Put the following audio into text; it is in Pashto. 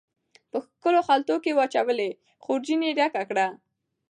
په ښکلو خلطو کې واچولې، خورجین یې ډکه کړه